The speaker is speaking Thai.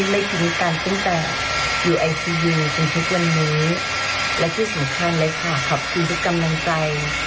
ขอบคุณมากเลยนะคะอันนี้ค่ะนะฮะเป็นกำลังใจ